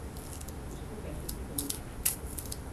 उसको पैसों की कमी थी।